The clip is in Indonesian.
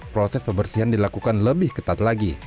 proses pembersihan dilakukan lebih ketat lagi